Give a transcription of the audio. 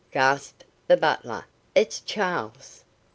gasped the butler, "it's Charles."